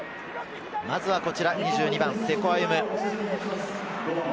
まずはこちら、２２番・瀬古歩夢。